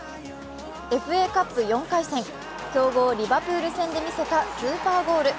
ＦＡカップ４回戦、強豪リバプール戦で見せたスーパーゴール。